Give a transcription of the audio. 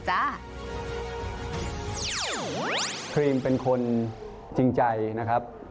ครีมเป็นคนจริงใจนะครับ